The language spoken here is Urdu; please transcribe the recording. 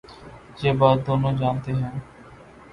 یہ بات دونوں جا نتے ہیں۔